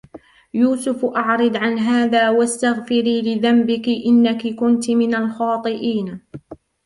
يُوسُفُ أَعْرِضْ عَنْ هَذَا وَاسْتَغْفِرِي لِذَنْبِكِ إِنَّكِ كُنْتِ مِنَ الْخَاطِئِينَ